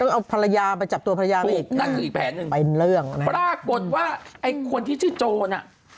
มาจับตัวภรรยาไปนั่นคืออีกแผนหนึ่งปรากฏว่าไอ้คนที่ชื่อโจร